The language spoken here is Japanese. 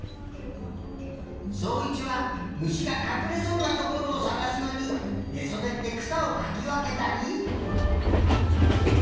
そういちはむしがかくれそうなところをさがすのにねそべってくさをかきわけたり。